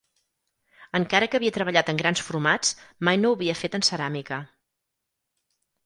Encara que havia treballat en grans formats, mai no ho havia fet en ceràmica.